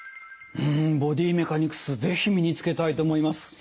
うんボディメカニクス是非身につけたいと思います。